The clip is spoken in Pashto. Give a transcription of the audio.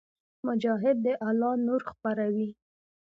مجاهد د الله نور خپروي.